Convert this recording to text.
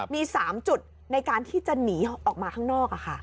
มี๓จุดในการที่จะหนีออกมาข้างนอก